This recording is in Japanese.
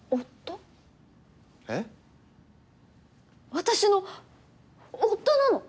私の夫なの！？